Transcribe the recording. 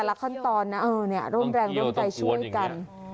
แต่ละขั้นตอนอะอาวังแรงได้ช่วยกัน